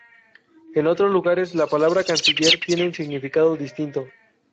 En otros lugares, la palabra canciller tiene un significado distinto.